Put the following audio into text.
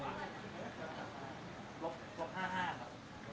กลับมาที่นี่